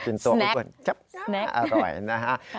กินตัวคุณก่อนครับอร่อยนะฮะครับสแนค